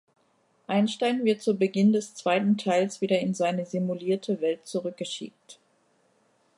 Einstein wird zu Beginn des zweiten Teils wieder in seine simulierte Welt zurückgeschickt.